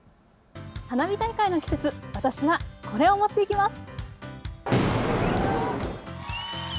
花火大会の季節、私はこれを持っていきます。